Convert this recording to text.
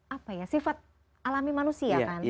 apa ya sifat alami manusia kan